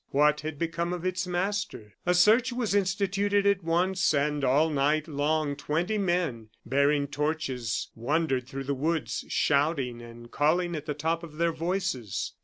What had become of its master? A search was instituted at once, and all night long twenty men, bearing torches, wandered through the woods, shouting and calling at the top of their voices.